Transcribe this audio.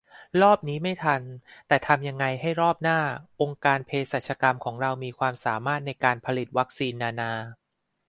รอบนี้ไม่ทัน แต่ทำยังไงให้ในรอบหน้า องค์การเภสัชกรรมของเรามีความสามารถในการผลิตวัคซีนนานา